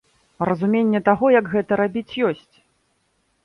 Разуменне таго, як гэта рабіць, ёсць.